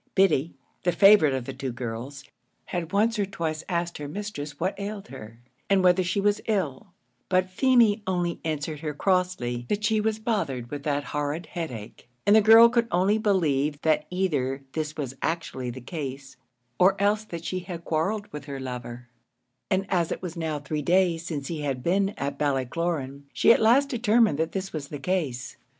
Biddy, the favourite of the two girls, had once or twice asked her mistress what ailed her, and whether she was ill; but Feemy only answered her crossly that she was bothered with that horrid headache, and the girl could only believe that either this was actually the case, or else that she had quarrelled with her lover; and as it was now three days since he had been at Ballycloran, she at last determined that this was the case.